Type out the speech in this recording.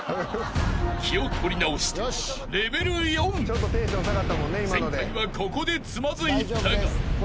［気を取り直してレベル４］［前回はここでつまずいたが］